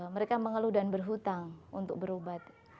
mereka mengeluh dan berhutang untuk berobat